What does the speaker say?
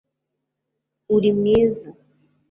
uri mwiza